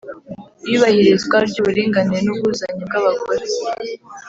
Iyubahirizwa Ry Uburinganire N Ubwuzuzanye Bw Abagore